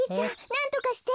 なんとかして。